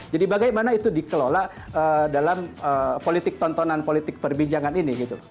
jadi bagaimana itu dikelola dalam politik tontonan politik perbincangan ini